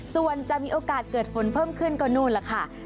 ส่วนจะมีโอกาสเกิดฝนเพิ่มขึ้นก็นู่นล่ะค่ะ